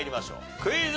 クイズ。